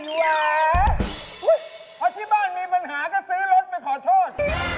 หวาเพราะที่บ้านมีปัญหาก็ซื้อรถไปขอโทษ